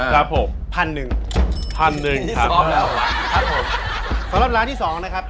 สำหรับร้านที่๒นะครับ